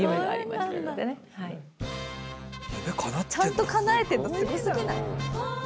ちゃんとかなえてるのすごすぎない？